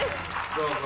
どうぞ。